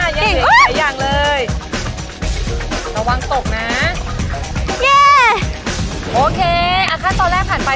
เก่งอุ๊ยแต่อย่างเลยระวังตกนะโอเคอะค่ะตอนแรกผ่านไป